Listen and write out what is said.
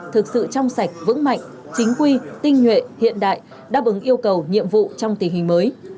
thực sự trong sạch vững mạnh chính quy tinh nhuệ hiện đại đáp ứng yêu cầu nhiệm vụ trong tình hình mới